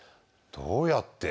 どうやって？